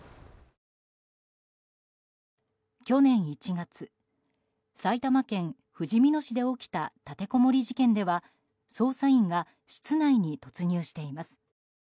去年１月、埼玉県ふじみ野市で起きた立てこもり事件では捜査員が室内に突入しています。